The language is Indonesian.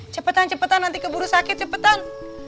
cepetan cepetan nanti keburu sakit cepetan